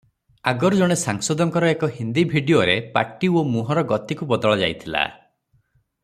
ଆଗରୁ ଜଣେ ସାଂସଦଙ୍କର ଏକ ହିନ୍ଦୀ ଭିଡ଼ିଓରେ ପାଟି ଓ ମୁହଁର ଗତିକୁ ବଦଳାଯାଇଥିଲା ।